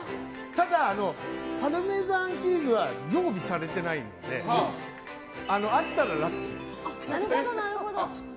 ただ、パルメザンチーズは常備されてないのであったらラッキーです。